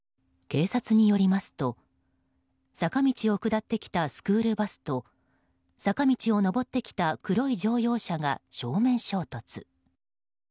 警察によりますと坂道を下ってきたスクールバスと坂道を上ってきた黒い乗用車が正面衝突。